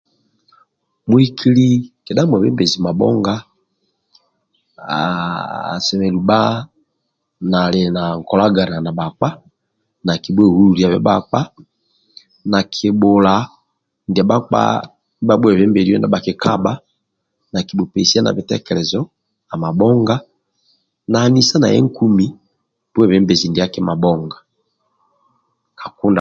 Muhikili kedha mwebembezi mabhonga aaah asemelelu bha nali na nkolagana na bhakpa, nakibhuehululiabe bhakpa, nakibhula ndia bhakpa ndibha abhuebembelio bhakikabha nakibhupesia na bitekelezo amabhonga na anisa naye nkumi bwebembezi ndiaki mabhonga.